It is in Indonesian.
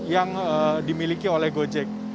yang dimiliki oleh gojek